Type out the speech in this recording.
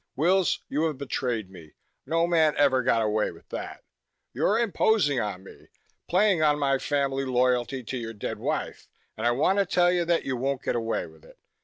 "Wills, you have betrayed me. No man ever got away with that. You're imposing on me, playing on my family loyalty to your dead wife, and I want to tell you that you won't get away with it.